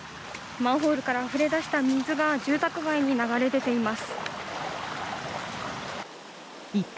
マンホールからあふれ出した水が住宅街に流れ出ています。